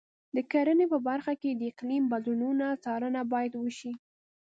د کرنې په برخه کې د اقلیم بدلونونو څارنه باید وشي.